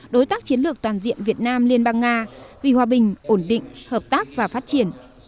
đối tác chiến lược toàn diện việt nam liên bang nga vì hòa bình ổn định hợp tác và phát triển